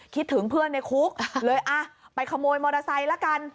ถึงเพื่อนในคุกเลยอ่ะไปขโมยมอเตอร์ไซค์ละกัน